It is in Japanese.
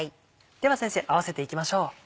では先生合わせていきましょう。